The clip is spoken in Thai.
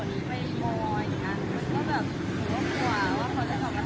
ตอนนี้กำหนังไปคุยของผู้สาวว่ามีคนละตบ